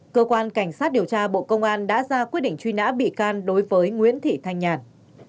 cơ quan cảnh sát điều tra bộ công an đã ra quyết định truy nã bị can đối với nguyễn thị thanh nhàn